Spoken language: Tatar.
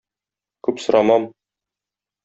Күп сорамам!